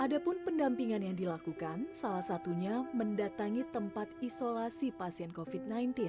ada pun pendampingan yang dilakukan salah satunya mendatangi tempat isolasi pasien covid sembilan belas